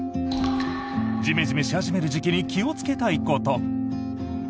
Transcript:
ジメジメし始める時期に気をつけたいこと。